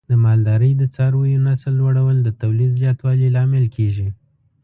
د مالدارۍ د څارویو نسل لوړول د تولید زیاتوالي لامل کېږي.